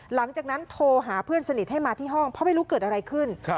หลังจากนั้นโทรหาเพื่อนสนิทให้มาที่ห้องเพราะไม่รู้เกิดอะไรขึ้น